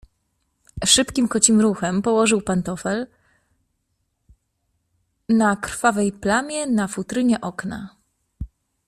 "Szybkim, kocim ruchem położył pantofel na krwawej plamie na futrynie okna."